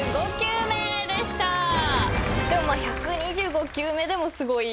でも１２５球目でもすごいですよね。